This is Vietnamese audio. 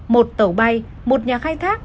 một tàu bay một nhà khai thác